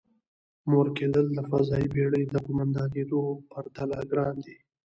مور کېدل د فضايي بېړۍ د قوماندانېدو پرتله ګران دی.